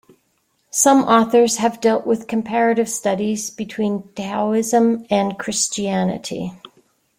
Some authors have dealt with comparative studies between Taoism and Christianity.